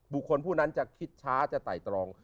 ผู้นั้นจะคิดช้าจะไต่ตรอง